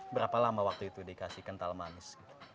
berapa lama waktu itu dikasih kental manis